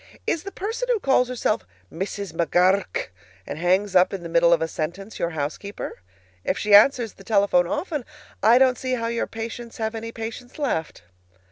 Is the person who calls herself Mrs. McGur rk and hangs up in the middle of a sentence your housekeeper? If she answers the telephone often, I don't see how your patients have any patience left.